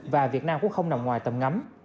và việt nam cũng không nằm ngoài tầm ngắm